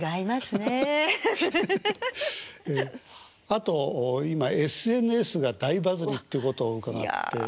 あと今ＳＮＳが大バズりってことを伺って。